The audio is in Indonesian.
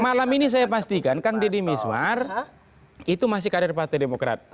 malam ini saya pastikan kang dedy mezwar itu masih kadir partai demokrat